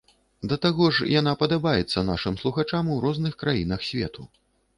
Да таго ж, яна падабаецца нашым слухачам у розных краінах свету.